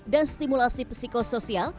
dan stimulasi psikosoial